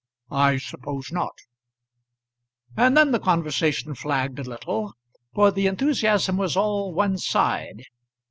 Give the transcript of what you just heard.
"I suppose not." And then the conversation flagged a little, for the enthusiasm was all one side.